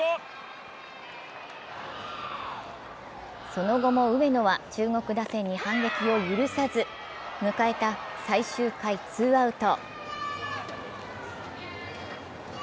その後も上野は中国打線に反撃を許さず迎えた最終回ツーアウト。